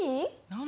何？